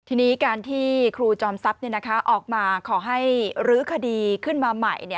ทีนี้การที่ครูจอมทรัพย์ออกมาขอให้รื้อคดีขึ้นมาใหม่